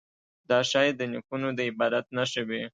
دا ښايي د نیکونو د عبادت نښه وي.